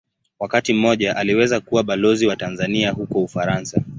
Wakati mmoja aliweza kuwa Balozi wa Tanzania huko Ufaransa.